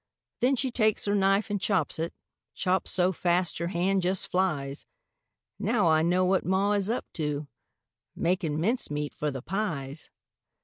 Then she takes her knife an' chops it, Chops so fast her hand jest flies. Now I know what ma is up to Makin' mincemeat for the pies.